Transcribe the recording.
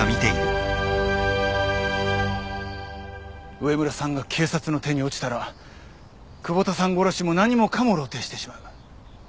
上村さんが警察の手に落ちたら窪田さん殺しも何もかも露呈してしまう。